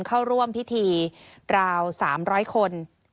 เข้าร่วมพิธีราว๓๐๐คน